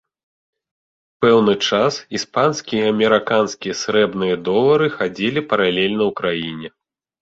Пэўны час іспанскія і амерыканскія срэбраныя долары хадзілі паралельна ў краіне.